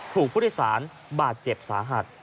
ถูกผู้โดยสารบาดเจ็บสาหัส